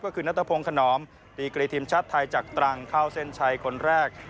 ก็คือนัทพงศ์ขนอมดีกรีทีมชาติไทยจากตรังเข้าเส้นชัยคนแรก